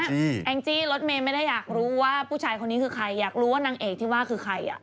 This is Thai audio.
แองจี้รถเมย์ไม่ได้อยากรู้ว่าผู้ชายคนนี้คือใครอยากรู้ว่านางเอกที่ว่าคือใครอ่ะ